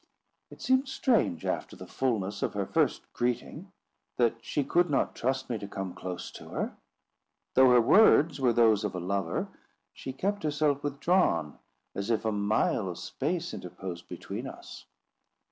It seemed strange, after the fulness of her first greeting, that she could not trust me to come close to her. Though her words were those of a lover, she kept herself withdrawn as if a mile of space interposed between us.